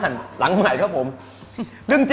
เพราะฉะนั้นถ้าใครอยากทานเปรี้ยวเหมือนโป้แตก